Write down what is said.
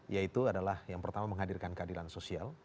yaitu adalah yang pertama menghadirkan keadilan sosial